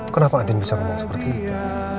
kenapa adin bisa ngomong seperti itu